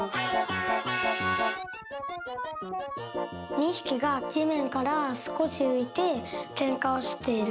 ２ひきがじめんからすこしういてけんかをしている。